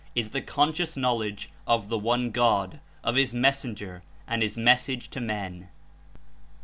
Is the conscious knowledge of the One God, of His Mes senger and His Message to men.